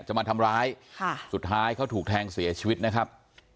จะมาทำร้ายค่ะสุดท้ายเขาถูกแทงเสียชีวิตนะครับ